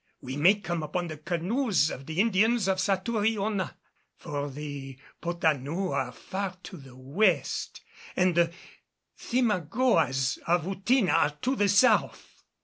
We may come upon the canoes of the Indians of Satouriona, for the Potanous are far to the west, and the Thimagoas of Outina are to the south."